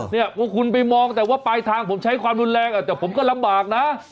พวกคุณไปมองแต่ว่าปลายทางผมใช้ความรุนแรงแต่ผมก็ลำบากนะ